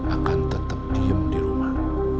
a kang tetep diem di rumah